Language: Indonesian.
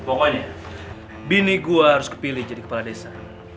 pokoknya bini gue harus kepilih jadi kepala desa